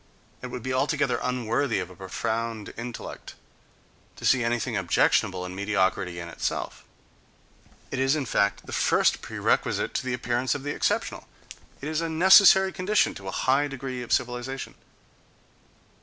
It would be altogether unworthy of a profound intellect to see anything objectionable in mediocrity in itself. It is, in fact, the first prerequisite to the appearance of the exceptional: it is a necessary condition to a high degree of civilization.